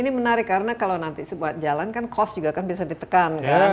ini menarik karena kalau nanti sebuah jalan kan cost juga kan bisa ditekan kan